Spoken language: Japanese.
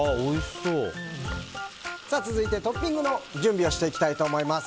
続いて、トッピングの準備をしていきたいと思います。